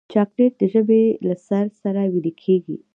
چاکلېټ د ژبې له سر سره ویلې کېږي.